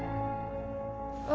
あ。